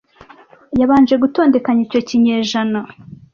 yabanje gutondekanya icyo ikinyejana